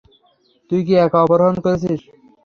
তুই কি একা অপহরণ করেছিস?